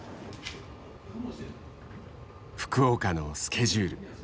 福岡のスケジュール。